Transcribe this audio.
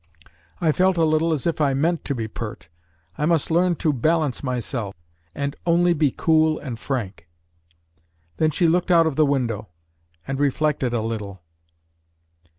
I felt a little as if I meant to be pert. I must learn to balance myself, and only be cool and frank." Then she looked out of the window, and reflected a little.